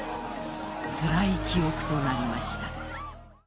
つらい記憶となりました。